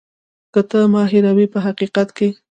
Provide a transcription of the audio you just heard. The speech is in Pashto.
که ته ما هېروې په حقیقت کې.